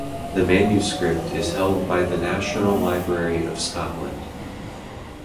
The manuscript is held by the National Library of Scotland.